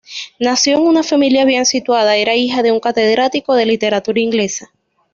Nació en una familia bien situada: era hija de un catedrático de literatura inglesa.